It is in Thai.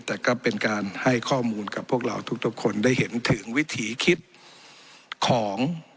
แต่ก็เป็นการให้ข้อมูลกับพวกเราทุกคนได้เห็นถึงวิถีคิดของ